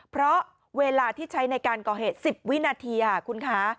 เพราะเวลาที่ใช้ในการก่อเหตุ๑๐วินาทีคุณคะ